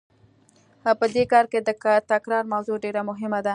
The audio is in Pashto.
په دې کار کې د تکرار موضوع ډېره مهمه ده.